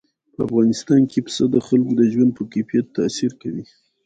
په افغانستان کې پسه د خلکو د ژوند په کیفیت تاثیر کوي.